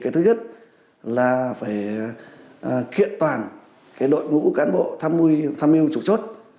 thứ nhất là phải kiện toàn đội ngũ cán bộ tham mưu chủ chốt